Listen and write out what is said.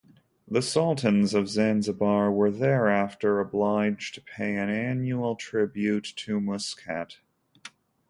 The Sultans of Zanzibar were thereafter obliged to pay an annual tribute to Muscat.